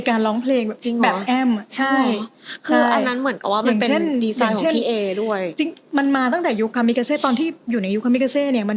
ถ้าเป็นเมื่อก่อนไม่ได้นะ